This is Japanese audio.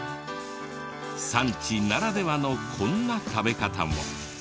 産地ならではのこんな食べ方も。